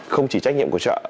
không chỉ trách nhiệm của chợ